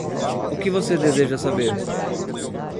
O que você deseja saber?